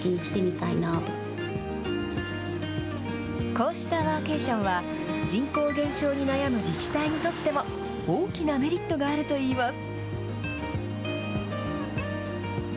こうしたワーケーションは、人口減少に悩む自治体にとっても、大きなメリットがあるといいます。